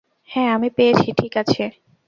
হ্যাঁ, আমি পেয়েছি, ঠিক আছে?